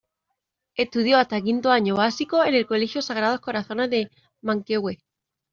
Estudió hasta quinto año básico en el Colegio Sagrados Corazones de Manquehue.